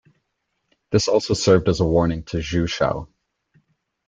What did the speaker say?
This also served as a warning to Ju Shou.